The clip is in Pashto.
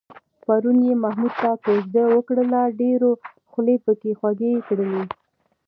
پرون یې محمود ته کوزده وکړله، ډېرو خولې پکې خوږې کړلې.